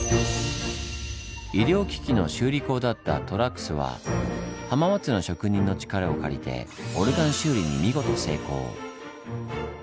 医療機器の修理工だった寅楠は浜松の職人の力を借りてオルガン修理に見事成功！